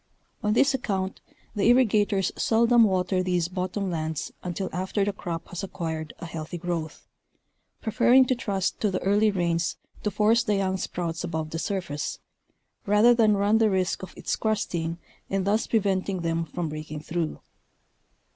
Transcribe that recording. On this account the irriga tors seldom water these bottom lands until after the crop has acquired a healthy growth, preferring to trust to the early rains The Irrigation Problem in Montana. 223 to force the young sprouts above the surface, rather than run the risk of its crusting and thus preventing them from breaking through.